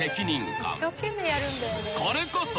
［これこそ］